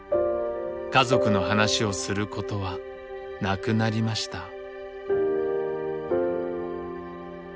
家族の話をすることはなくなりました。